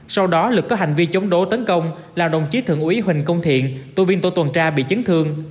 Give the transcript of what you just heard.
sau đó lực có hành vi chống đối tấn công là đồng chí thượng úy huỳnh công thiện tu viên tổ tuần tra bị chấn thương